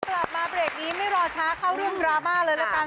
กลับมาเบรกนี้ไม่รอช้าเข้าเรื่องดราม่าเลยละกัน